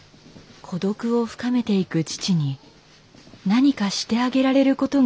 孤独を深めていく父に何かしてあげられることがあったのでは。